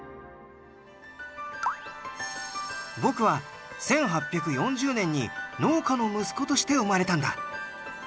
僕は１８４０年に農家の息子として生まれたんだ。